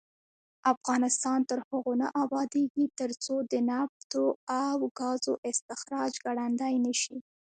افغانستان تر هغو نه ابادیږي، ترڅو د نفتو او ګازو استخراج ګړندی نشي.